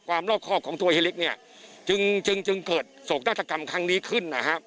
ความลอกคอบของตัวเฮเล็กจึงเกิดโศกนักศักดรรมครั้งนี้ขึ้นนะครับ